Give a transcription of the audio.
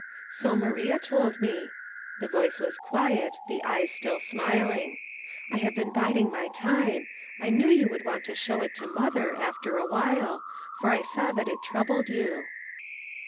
"So Maria told me." The voice was quiet, the eyes still smiling. " I have been biding my time. I knew you would want to show it to mother, after awhile, for I saw that it troubled you."